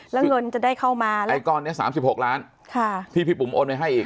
แล้วเงินจะได้เข้ามาไอ้ก้อนเนี้ยสามสิบหกล้านค่ะที่พี่ปุ๋มโอนไปให้อีก